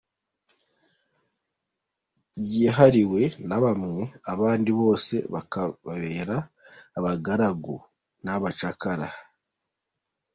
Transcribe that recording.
Bwihariwe na bamwe, abandi bose bakababera abagaragaragu n’abacakara.